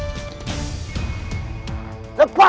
jalan jalan tua sudah berchan